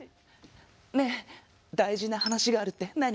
ねえ大事な話があるって何？